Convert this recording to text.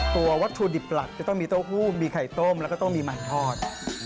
วัตถุดิบหลักจะต้องมีเต้าหู้มีไข่ต้มแล้วก็ต้องมีมันทอด